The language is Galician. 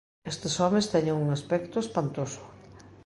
Estes homes teñen un aspecto espantoso.